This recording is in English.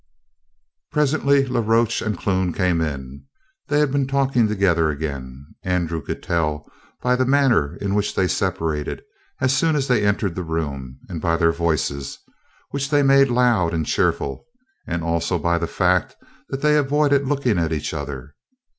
Presently La Roche and Clune came in. They had been talking together again. Andrew could tell by the manner in which they separated, as soon as they entered the room, and by their voices, which they made loud and cheerful; and, also, by the fact that they avoided looking at each other.